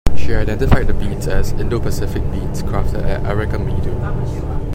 She identified the beads as "Indo-Pacific" beads crafted at Arikamedu.